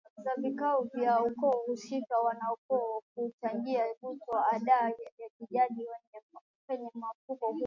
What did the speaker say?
za vikao vya ukoo husika Wanaukoo huchangia Nguto ada ya kijadi kwenye mfuko huo